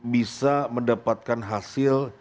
bisa mendapatkan hasil